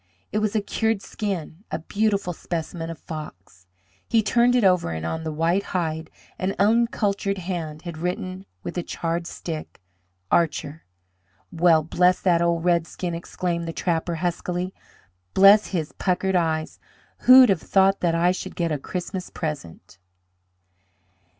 It was a cured skin a beautiful specimen of fox. He turned it over, and on the white hide an uncultured hand had written, with a charred stick, "Archer." "Well, bless that old red skin!" exclaimed the trapper, huskily. "Bless his puckered eyes! Who'd have thought that I should get a Christmas present?"